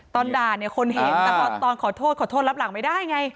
ตอนด่าเนี่ยคนเห็นแต่ตอนขอโทษขอโทษรับหลังไม่ได้ไง